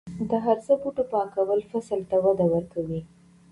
د هرزه بوټو پاکول فصل ته وده ورکوي.